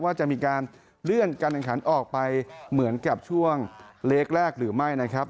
ว่าจะมีการเลื่อนการแข่งขันออกไปเหมือนกับช่วงเล็กแรกหรือไม่นะครับ